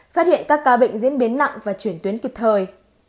phát hiện các ca bệnh diễn biến nặng và chuyển tuyến kịp thời